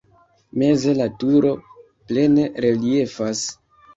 Meze la turo plene reliefas.